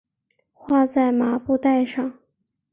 画在麻布袋上